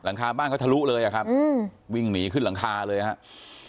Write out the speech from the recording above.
คาบ้านเขาทะลุเลยอะครับวิ่งหนีขึ้นหลังคาเลยครับ